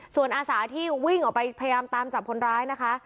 ส่วนอาสาที่วิ่งออกไปพยายามตามจับคนร้ายนะคะ